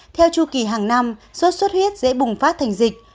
theo chu kỳ hàng năm suốt suốt huyết dễ bùng phát thành dịch